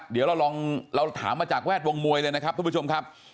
เดี๋ยวเราลองถามมาจากแวดวงมวยเลยนะครับทุกผู้ชมครับ